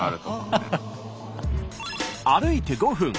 歩いて５分。